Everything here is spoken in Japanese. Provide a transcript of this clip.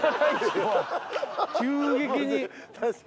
急激に。